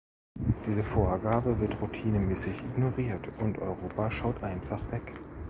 Diese Vorgabe wird routinemäßig ignoriert, und Europa schaut einfach weg.